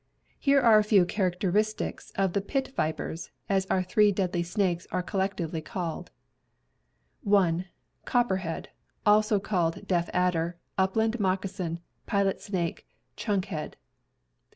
Here are a few characteristics of the pit vipers, as our three deadly snakes are collectively called: 1. Copperhead (also called deaf adder, upland moccasin, pilot snake, chunk head).